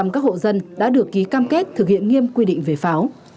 một trăm linh các hộ dân đã được ký cam kết thực hiện nghiêm quy định về pháo